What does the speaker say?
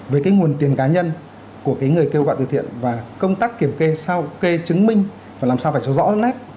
với cái nguồn tiền cá nhân của cái người kêu gọi từ thiện và công tác kiểm kê sau kê chứng minh và làm sao phải cho rõ nét